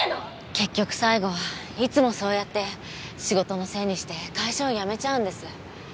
結局最後はいつもそうやって仕事のせいにして会社を辞めちゃうんです。